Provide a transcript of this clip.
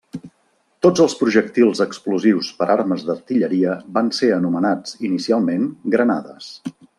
Tots els projectils explosius per armes d'artilleria van ser anomenats inicialment granades.